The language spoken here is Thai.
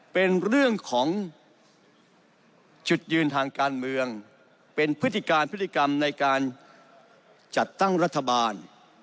เป็นเรื่องของจุดยืนทางการเมืองเป็นพฤติการพฤติกรรมในการจัดตั้งรัฐบาล